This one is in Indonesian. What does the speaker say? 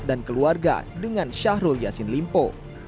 dan keluarga dengan syahrul yasin limpo